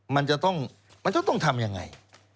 มันจะต้องทำยังไง